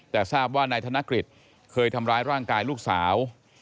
แต่ทราบว่านายธนกฤษเคยทำร้ายร่างกายลูกสาว